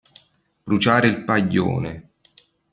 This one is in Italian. Bruciare il paglione.